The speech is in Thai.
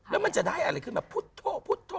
แล้วมันจะได้อะไรขึ้นมาพุทธพุทธ